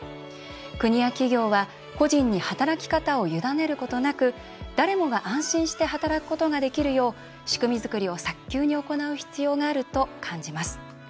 国や企業は個人に働き方を委ねることなく誰もが安心して働くことができるよう仕組み作りを早急に行う必要があると感じます。